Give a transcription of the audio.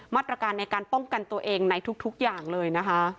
มาตรการในการป้องกันตัวเองในทุกอย่างเลยนะคะ